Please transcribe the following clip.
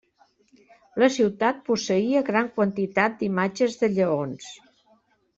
La ciutat posseïa gran quantitat d'imatges de lleons.